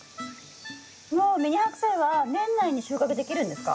もうミニハクサイは年内に収穫できるんですか？